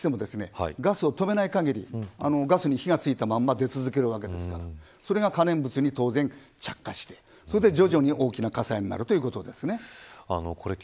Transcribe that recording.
当然、爆発してもガスを止めない限りガスに火がついたまま出続けるわけですからそれが当然可燃物に着火してそれで徐々に大きな火災になるということです。